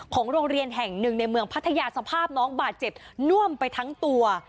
โรงเรียนแห่งหนึ่งในเมืองพัทยาสภาพน้องบาดเจ็บน่วมไปทั้งตัว